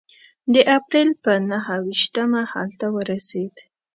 د اپرېل په نهه ویشتمه هلته ورسېد.